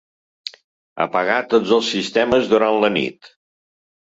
Apagar tots els sistemes durant la nit.